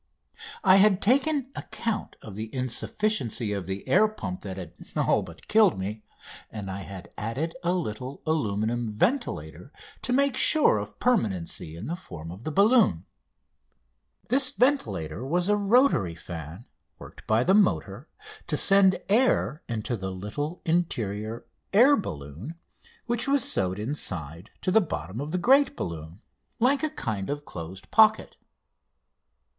I had taken account of the insufficiency of the air pump that had all but killed me, and had added a little aluminium ventilator to make sure of permanency in the form of the balloon. [Illustration: ACCIDENT TO "No. 2," MAY 11, 1899 (FIRST PHASE)] This ventilator was a rotary fan, worked by the motor, to send air into the little interior air balloon, which was sewed inside to the bottom of the great balloon like a kind of closed pocket.